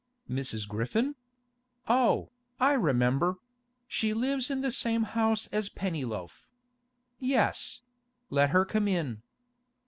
'Mrs. Griffin? Oh, I remember; she lives in the same house as Pennyloaf. Yes: let her come in.